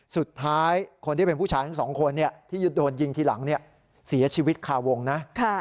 สุดท้ายคนที่เป็นผู้ชายทั้งสองคนที่โดนยิงทีหลังเสียชีวิตคาวงนะ